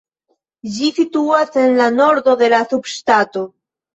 Ĝi situas en la nordo de la subŝtato.